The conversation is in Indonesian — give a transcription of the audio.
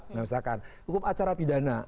misalkan hukum acara pidana